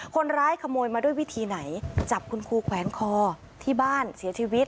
คนร้ายขโมยมาด้วยวิธีไหนจับคุณครูแขวนคอที่บ้านเสียชีวิต